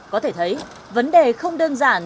có thể thấy vấn đề không đơn giản